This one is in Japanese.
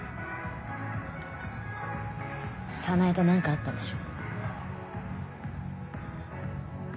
早苗と何かあったでしょ